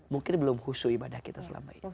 mungkin belum khusyuk ibadah kita selama ini